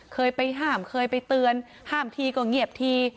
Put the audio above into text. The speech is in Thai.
เคยไปห้ามเคยไปเตือนห้ามทีก็เงียบที